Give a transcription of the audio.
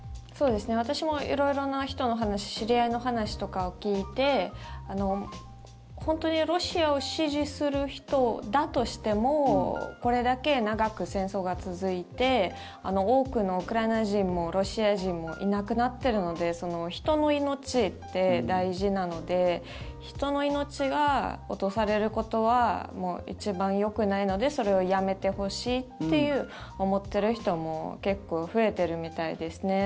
私も色々な人の話知り合いの話とかを聞いて本当にロシアを支持する人だとしてもこれだけ長く戦争が続いて多くのウクライナ人もロシア人もいなくなっているので人の命って大事なので人の命が落とされることは一番よくないのでそれをやめてほしいって思ってる人も結構、増えてるみたいですね。